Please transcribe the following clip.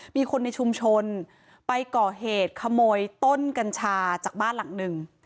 มีคนในชุมชนไปก่อเหตุขโมยต้นกัญชาจากบ้านหลังหนึ่ง